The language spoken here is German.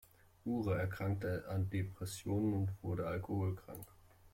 Ure erkrankte an Depressionen und wurde alkoholkrank.